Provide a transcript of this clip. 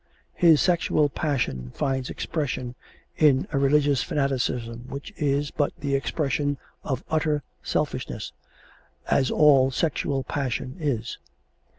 His sexual passion finds expression in a religious fanaticism which is but the expression of utter selfishness, as all sexual passion is.